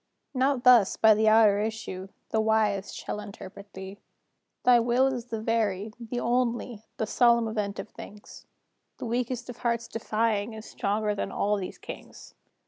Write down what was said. Not thus, by the outer issue, The Wise shall interpret thee. "Thy will is the very, the only, The solemn event of things; The weakest of hearts defying Is stronger than all these Kings.